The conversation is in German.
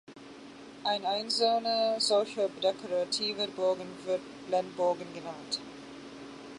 Ein einzelner solcher dekorativer Bogen wird Blendbogen genannt.